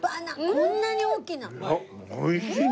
こんなに大きな！